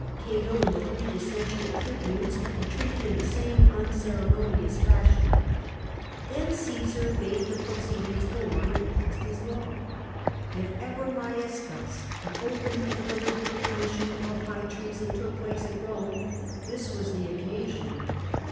Cato and the three dissentient tribunes were treated in the same unceremonious fashion. Then Cmsar bade the proceedings go on, and passed his law ! If ever majestas, the open and deliberate commission of high treason, took place at liorae, this was the occasion.